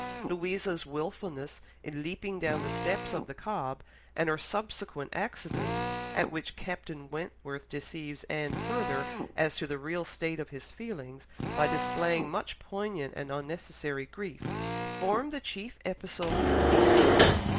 Louisa's wilfulness in leaping down the steps of the Cobb, and her subsequent accident, at which Captain Wentworth deceives Anne further as to the real state of his feelings by displaying much poignant and unnecessary grief, form the chief episode in the book.